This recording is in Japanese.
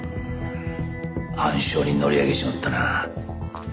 暗礁に乗り上げちまったな。